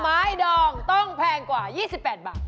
หน่อไม้ดองต้องแพงกว่า๒๘บาท